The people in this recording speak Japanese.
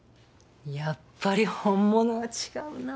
やっぱり本物は違うな。